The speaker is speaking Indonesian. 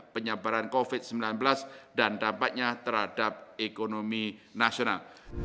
penyebaran covid sembilan belas dan dampaknya terhadap ekonomi nasional